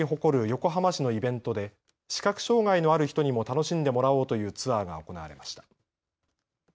横浜市のイベントで、視覚障害のある人にも楽しんでもらおうというツアーが行われました。